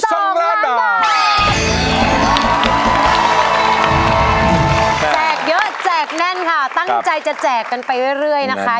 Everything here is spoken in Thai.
เยอะแจกแน่นค่ะตั้งใจจะแจกกันไปเรื่อยนะคะ